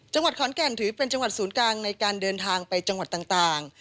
จังหวัดขอนแก่นถือเป็นจังหวัดศูนย์กลางในการเดินทางไปจังหวัดต่าง